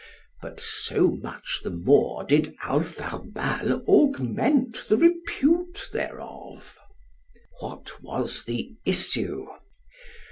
But so much the more did Alpharbal augment the repute thereof. What was the issue?